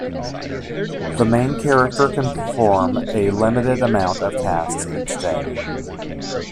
The main character can perform a limited amount of tasks each day.